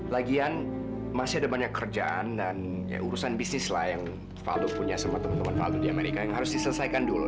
lagian masih ada banyak kerjaan dan ya urusan bisnis lah yang valdo punya sama teman teman paldo di amerika yang harus diselesaikan dulu